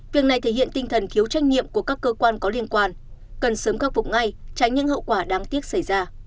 việc này thể hiện tinh thần thiếu trách nhiệm của các cơ quan có liên quan cần sớm khắc phục ngay tránh những hậu quả đáng tiếc xảy ra